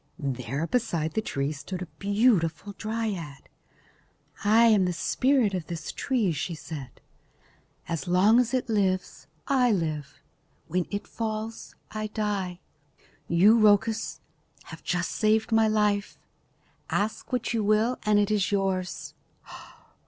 There beside the tree stood a beautiful dryad. "I am the spirit of this tree," she said. "As long as it lives, I live. When it falls, I die. You, Rhoecus, have just saved my life. Ask what you will and it is yours."